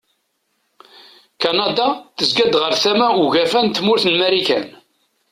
Kanada tezga-d ɣer tama ugafa n tmurt n Marikan.